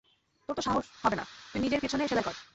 তোর তো সাহস হবে না, তুই নিজের পেছনে সেলাই কর।